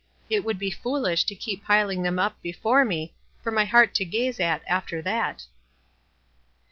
It would be foolish to keep piling them up before me, for my heart to gaze at, after that."